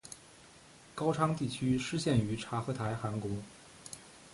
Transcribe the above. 高昌地区失陷于察合台汗国。